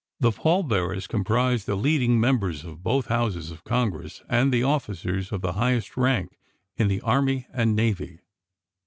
The pall bearers comprised the leading members of both Houses of Congress and the officers of the highest rank in the army and navy.